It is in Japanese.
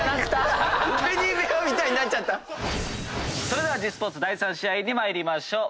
それではｇスポーツ第３試合に参りましょう。